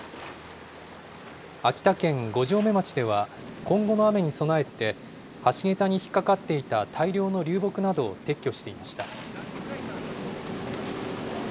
秋田県五城目町では、今後の雨に備えて、橋桁に引っかかっていた大量の流木などを撤去していました。